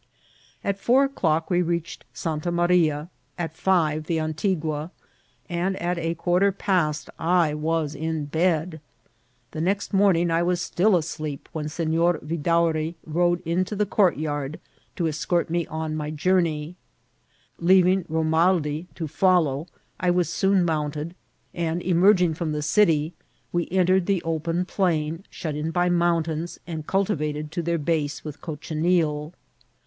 At four o'clock we reached Santa Maria, at five the Antigua, and at a quarter past I was in bed* The next morning I was still asleep when Senor Vidaury rode into the courtyard to escort me on my journey. Leaving Romaldi to follow, I was soon mounted ; and emerging from the city, we entered the open plain, shut in by mountains, and cultivated to their base with cochineal.